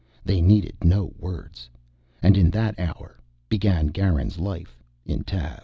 They needed no words. And in that hour began Garin's life in Tav.